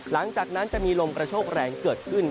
หลังจากนั้นจะมีลมกระโชคแรงเกิดขึ้น